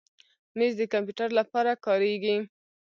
مېز د کمپیوټر لپاره کارېږي.